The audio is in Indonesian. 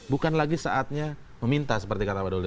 bukan lagi saatnya meminta seperti kata wadudli